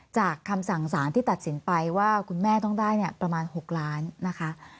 คำสั่งสารที่ตัดสินไปว่าคุณแม่ต้องได้ประมาณ๖ล้านนะคะ